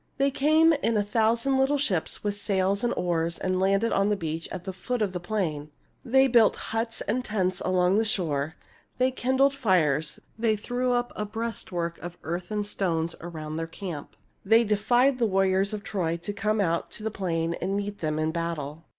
They came in a thousand little ships, with sails and oars, and landed on the beach at the foot of the plain. They built huts and tents along the shore ; they kindled fires ; they threw up a breastwork of earth and stones around their camp ; they defied the warriors of Troy to come out on the plain and meet them in battle.